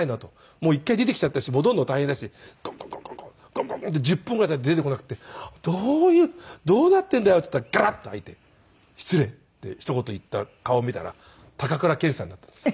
もう一回出てきちゃったし戻るの大変だしコンコンコンコンコンコンコンコンって１０分ぐらいたたいて出てこなくてどうなってんだよって言ったらガラッて開いて「失礼」ってひと言言った顔見たら高倉健さんだったんです。